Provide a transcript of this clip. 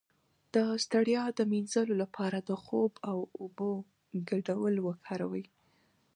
د ستړیا د مینځلو لپاره د خوب او اوبو ګډول وکاروئ